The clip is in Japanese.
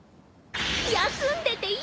休んでていいよ！